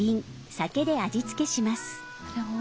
酒で味つけします。